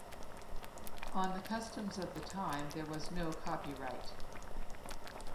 On the customs of the time there was no copyright.